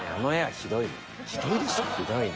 ひどいね。